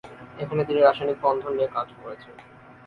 এখানে তিনি রাসায়নিক বন্ধন নিয়ে কাজ করেছেন।